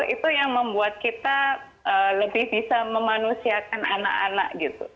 itu yang membuat kita lebih bisa memanusiakan anak anak gitu